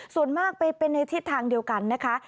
ส่วนมากไปเป็นในทิศทางเดียวกันนะคะ